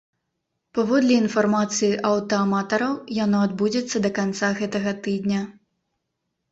Паводле інфармацыі аўтааматараў, яно адбудзецца да канца гэтага тыдня.